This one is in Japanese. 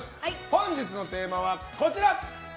本日のテーマはこちら。